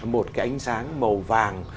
một cái ánh sáng màu vàng